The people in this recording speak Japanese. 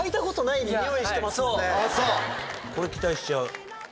これ期待しちゃう。